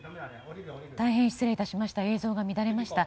大変失礼いたしました。